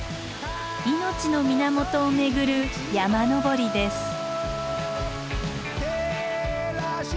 命の源を巡る山登りです。